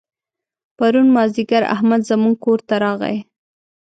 پرون مازدیګر احمد زموږ کور ته راغی.